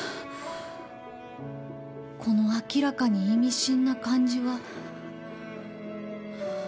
この明らかに意味深な感じは。